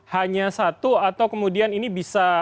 hanya satu atau kemudian ini bisa